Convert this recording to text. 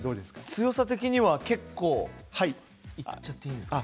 強さ的には結構やっちゃっていいんですか？